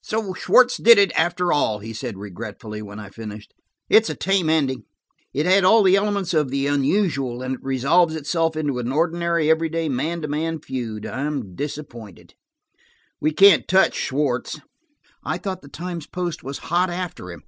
"So Schwartz did it, after all!" he said regretfully, when I finished. "It's a tame ending. It had all the elements of the unusual, and it resolves itself into an ordinary, every day, man to man feud. I'm disappointed; we can't touch Schwartz." "I thought the Times Post was hot after him."